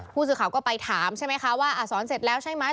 ผู้สื่อข่าวก็ไปถามใช่ไหมคะว่าสอนเสร็จแล้วใช่ไหม